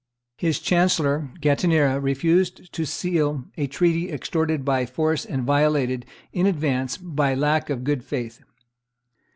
His chancellor, Gattinera, refused to seal a treaty extorted by force and violated, in advance, by lack of good faith.